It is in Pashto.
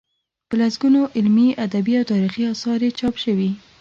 په لسګونو علمي، ادبي او تاریخي اثار یې چاپ شوي.